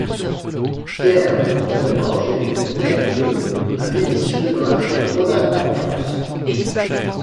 Pierre Moncorgé naît le à Vénissieux, dans la région Rhône-Alpes en France.